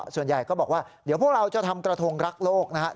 ส่วนใหญ่ก็บอกว่าเดี๋ยวพวกเราจะทำกระทงรักโลกนะครับ